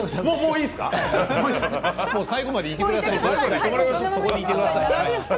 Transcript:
最後までいてください。